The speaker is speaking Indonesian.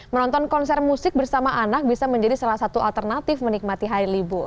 menonton konser musik bersama anak bisa menjadi salah satu alternatif menikmati hari libur